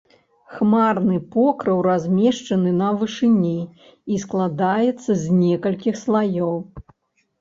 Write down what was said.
Хмарны покрыў размешчаны на вышыні і складаецца з некалькіх слаёў.